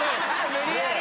無理やり！